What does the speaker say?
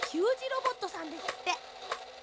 ロボットさんですって。